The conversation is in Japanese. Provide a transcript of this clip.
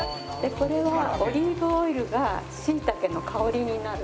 これはオリーブオイルが椎茸の香りになる。